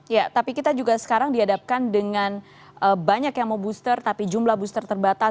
ya tapi kita juga sekarang dihadapkan dengan banyak yang mau booster tapi jumlah booster terbatas